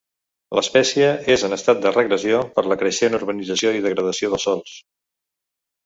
L'espècie és en estat de regressió per la creixent urbanització i degradació dels sòls.